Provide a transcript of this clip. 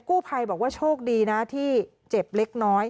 กู้ภัยบอกว่าโชคดีนะที่เจ็บเล็กน้อย